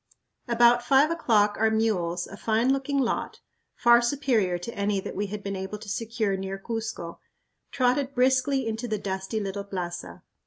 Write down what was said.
About five o'clock our mules, a fine looking lot far superior to any that we had been able to secure near Cuzco trotted briskly into the dusty little plaza.